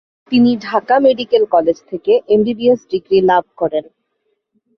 তিনি Dhaka medical college থেকে MBBS degree লাভ করেন।